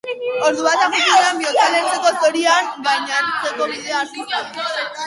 Ordu bata jo zuenean, bihotza lehertzeko zorian, kairanzko bidea hartu zuen.